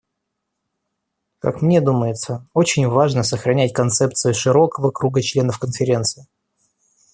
Как мне думается, очень важно сохранить концепцию широкого круга членов Конференции.